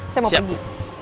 saya mau pergi